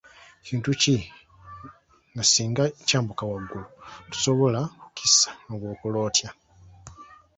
Kintu ki nga singa kyambuka waggulu tosobola kukissa ne bw'okola otya?